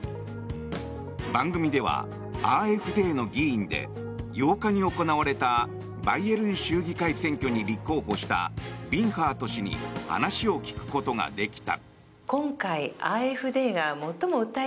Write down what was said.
番組ではＡｆＤの議員で８日に行われたバイエルン州議会選挙に立候補したヴィンハート氏に話を聞くことができた。